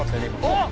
あっ！